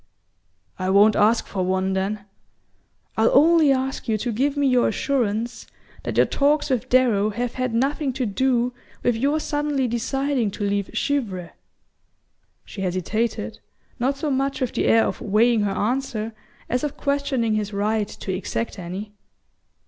"I won't ask for one, then. I'll only ask you to give me your assurance that your talks with Darrow have had nothing to do with your suddenly deciding to leave Givre." She hesitated, not so much with the air of weighing her answer as of questioning his right to exact any.